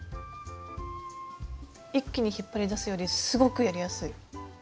一気に引っ張り出すよりすごくやりやすい。